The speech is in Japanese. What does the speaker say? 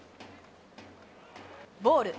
ボール。